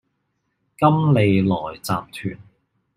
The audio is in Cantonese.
金利來集團